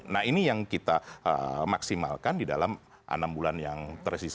nah ini yang kita maksimalkan di dalam enam bulan yang tersisa